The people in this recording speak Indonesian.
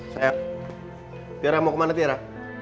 sayang tiara mau kemana tiara